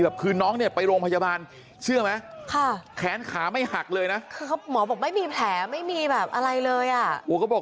ผมบอกว่าคันหน้าเศร้าภาษาเขาแบบนิ่งเบา